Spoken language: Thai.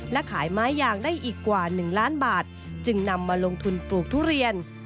และขายไม้ยางได้อีกกว่า๑ล้านบาทจึงนำมาลงทุนปลูกทุเรียน